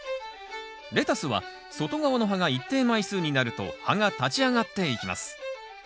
レタスは外側の葉が一定枚数になると葉が立ち上がっていきます。